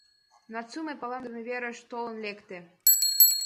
Нацуме палемдыме верыш толын лекте.